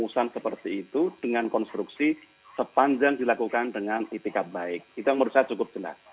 tapi sudah diatur hal yang sama persis